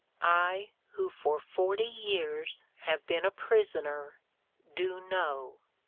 I who for forty years have been a prisoner, do know.